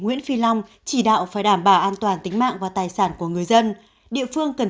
nguyễn phi long chỉ đạo phải đảm bảo an toàn tính mạng và tài sản của người dân địa phương cần